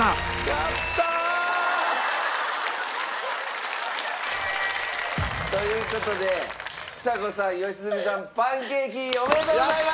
やったー！という事でちさ子さん良純さんパンケーキおめでとうございます！